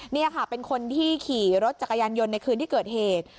นี่ค่ะเป็นคนที่ขี่รถจักรยานยนต์ในคืนที่เกิดเหตุ